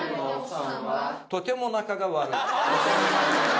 とても仲が悪い。